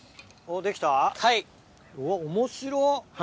おっ面白っ！